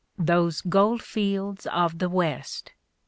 Those gold fields of the West!